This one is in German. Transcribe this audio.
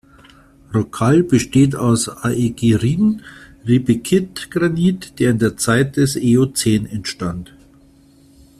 Rockall besteht aus Aegirin-Riebeckit-Granit, der in der Zeit des Eozän entstand.